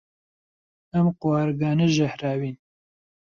ئەم قوارگانە ژەهراوین.